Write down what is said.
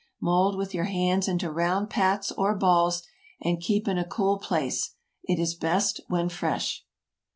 Mould with your hands into round "pats" or balls, and keep in a cool place. It is best when fresh.